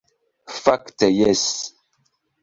Fakte jes!